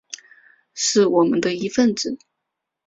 是我们的一分子